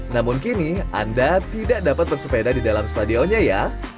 namun kini anda tidak dapat bersepeda di dalam stadionnya ya